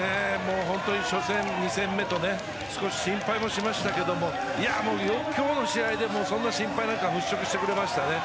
本当に初戦、２戦目と少し心配もしましたが今日の試合で、そんな心配なんか払拭してくれましたね。